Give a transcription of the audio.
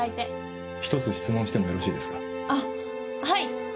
あっはい。